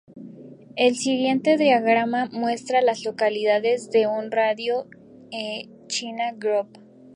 El siguiente diagrama muestra a las localidades en un radio de de China Grove.